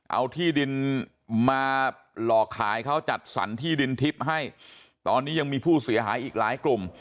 เอาที่ดินมาหลอกขายเขาจัดสรรที่ดินทิพย์ให้ตอนนี้ยังมีผู้เสียหายอีกหลายกลุ่ม